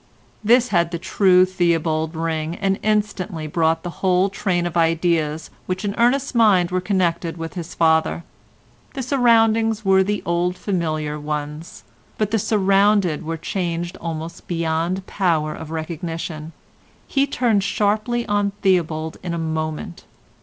This had the true Theobald ring and instantly brought the whole train of ideas which in Ernest's mind were connected with his father. The surroundings were the old familiar ones, but the surrounded were changed almost beyond power of recognition. He turned sharply on Theobald in a moment.